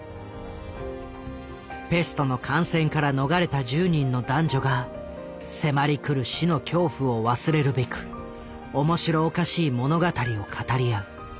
ペストの感染から逃れた１０人の男女が迫りくる死の恐怖を忘れるべく面白おかしい物語を語り合う。